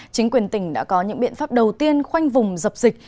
chính quyền tỉnh đã có những biện pháp đầu tiên khoanh vùng dập dịch